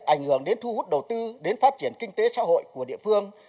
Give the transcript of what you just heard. ảnh hưởng đến thu hút đầu tư đến phát triển kinh tế xã hội của địa phương